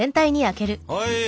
はい！